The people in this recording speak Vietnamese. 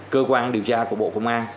cơ quan điều tra của bộ công an